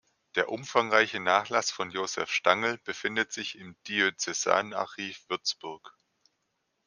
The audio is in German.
Der umfangreiche Nachlass von Josef Stangl befindet sich im Diözesanarchiv Würzburg.